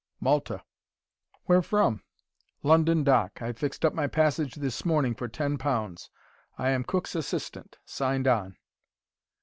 "Malta." "Where from?" "London Dock. I fixed up my passage this morning for ten pounds. I am cook's assistant, signed on."